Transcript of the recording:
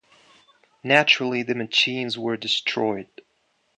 Naturally, the machines were destroyed.